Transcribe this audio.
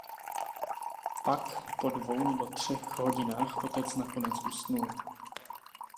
Pak, po dvou nebo třech hodinách otec nakonec usnul.